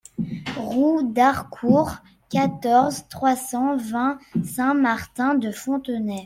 Route d'Harcourt, quatorze, trois cent vingt Saint-Martin-de-Fontenay